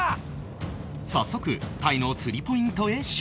早速タイの釣りポイントへ出港